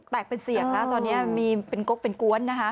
แตกเป็นเสียงค่ะตอนนี้มีเป็นกกเป็นก้วนนะคะ